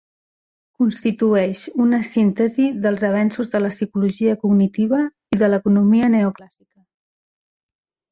Constitueix una síntesi dels avenços de la psicologia cognitiva i de l'economia neoclàssica.